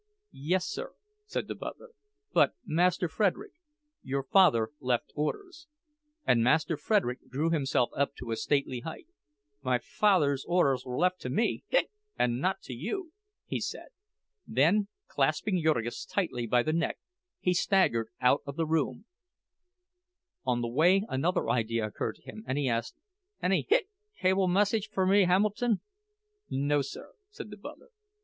"Yes, sir," said the butler, "but, Master Frederick, your father left orders—" And Master Frederick drew himself up to a stately height. "My father's orders were left to me—hic—an' not to you," he said. Then, clasping Jurgis tightly by the neck, he staggered out of the room; on the way another idea occurred to him, and he asked: "Any—hic—cable message for me, Hamilton?" "No, sir," said the butler.